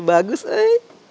hp bagus eh